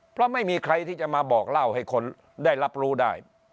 เพราะไม่มีใครที่จะมาบอกเล่าให้คนได้รับรู้ได้